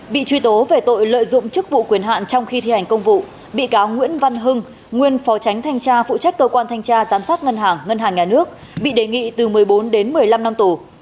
bị truy tố về tội lợi dụng chức vụ quyền hạn trong khi thi hành công vụ bị cáo nguyễn văn hưng nguyên phó tránh thanh tra phụ trách cơ quan thanh tra giám sát ngân hàng ngân hàng nhà nước bị đề nghị từ một mươi bốn đến một mươi năm năm tù